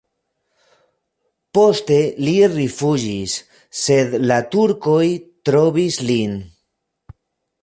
Poste li rifuĝis, sed la turkoj trovis lin.